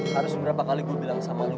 harus beberapa kali gue bilang sama lo